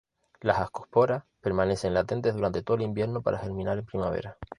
Las ascosporas permanecen latentes durante todo el invierno para germinar en primavera.